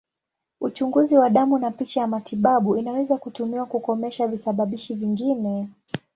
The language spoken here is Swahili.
Uchunguzi wa damu na picha ya matibabu inaweza kutumiwa kukomesha visababishi vingine.